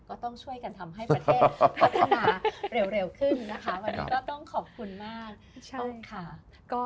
ก็ต้องช่วยกันทำให้ประเทศพัฒนาเร็วขึ้นนะคะวันนี้ก็ต้องขอบคุณมากค่ะ